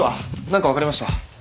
何か分かりました？